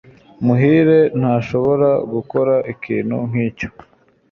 muhire ntashobora gukora ikintu nkicyo